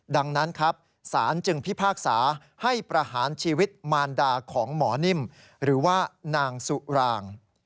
ดังนั้นครับสารจึงพิพากษาให้ประหารชีวิตมารดาของหมอนิ่มหรือว่านางสุราง